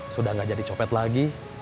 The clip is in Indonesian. sudah gak jadi copet lagi